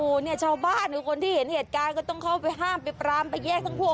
โอ้โหเนี่ยชาวบ้านหรือคนที่เห็นเหตุการณ์ก็ต้องเข้าไปห้ามไปปรามไปแยกทั้งพวก